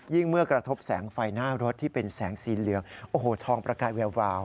เมื่อกระทบแสงไฟหน้ารถที่เป็นแสงสีเหลืองโอ้โหทองประกายแวววาว